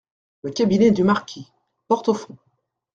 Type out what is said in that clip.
Le cabinet du marquis. — Porte au fond.